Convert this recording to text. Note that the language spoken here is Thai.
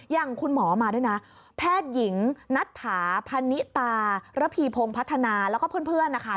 อย่างคุณหมอมาด้วยนะแพทย์หญิงนัทถาพนิตาระพีพงพัฒนาแล้วก็เพื่อนนะคะ